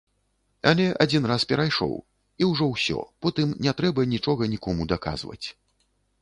Але адзін раз перайшоў, і ўжо ўсё, потым не трэба нічога нікому даказваць.